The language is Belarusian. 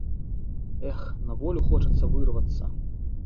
Эх, на волю хочацца вырвацца!